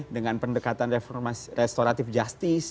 dengan pendekatan restoratif justice